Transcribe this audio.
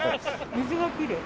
水がきれい。